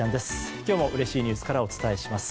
今日もうれしいニュースからお伝えします。